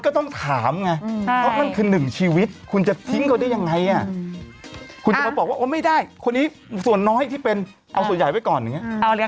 เอาออกซิเจนมาให้ผมหน่อยเอาออกซิเจนมาให้ผมหน่อย